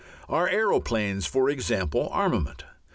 Are aeroplanes, for example, armament?